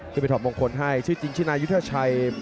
ที่ไปถอดมงคลให้ชื่อจริงชินายุธาชัย